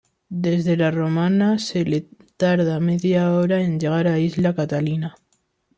Desde La Romana se tarda media hora en llegar a Isla Catalina.